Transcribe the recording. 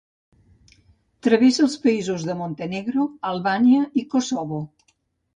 Travessa els països de Montenegro, Albània i Kosovo.